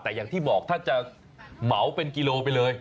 แต่อย่างที่บอกถ้าจะเหมาเป็นกิโลไปเลย